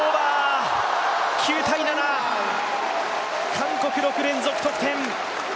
韓国６連続得点。